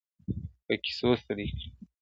په کیسو ستړی کړې-